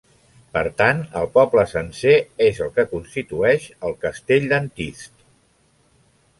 Per tant, el poble sencer és el que constitueix el castell d'Antist.